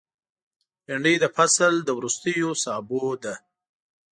بېنډۍ د فصل له وروستیو سابو ده